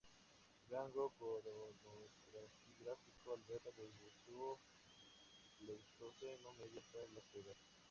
Su rango cronoestratigráfico abarca desde el Pleistoceno medio hasta la Actualidad.